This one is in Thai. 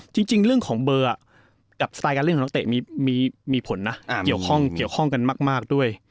จริงเรื่องของเบอร์กับสไตล์การเล่นของนักเตะมีผลนะเกี่ยวข้องเกี่ยวข้องกันมากด้วย